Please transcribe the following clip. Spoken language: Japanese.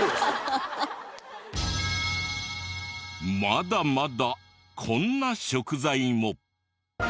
まだまだこんな食材も。